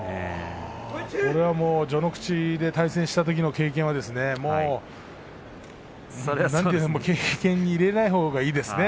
序ノ口で対戦したときの経験は経験に入れないほうがいいですね